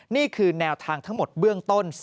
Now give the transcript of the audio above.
นี่คือแนวทางทั้งหมดเบื้องต้น